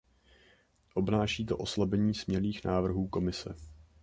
Obnáší to oslabení smělých návrhů Komise.